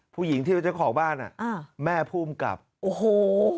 ผู้หญิงที่เจ้าของบ้านแม่ภูมิกลับโอ้โฮ